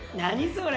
それ。